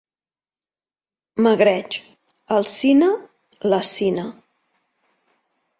Magreig: al cine, la sina.